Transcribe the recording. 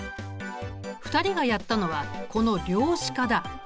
２人がやったのはこの量子化だ。